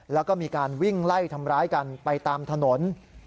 แล้วก็มีการวิ่งไล่ทำร้ายกันไปตามถนน